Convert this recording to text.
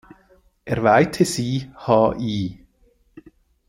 Er weihte sie Hl.